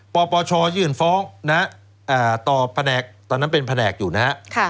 ปปชยื่นฟ้องตอนนั้นเป็นแผนกอยู่นะครับ